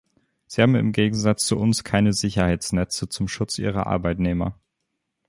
Sie haben im Gegensatz zu uns keine Sicherheitsnetze zum Schutz ihrer Arbeitnehmer.